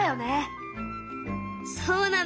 そうなの。